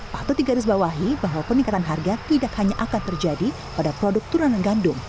patut digarisbawahi bahwa peningkatan harga tidak hanya akan terjadi pada produk turunan gandum